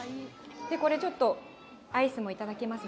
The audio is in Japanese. これちょっと、アイスも頂きます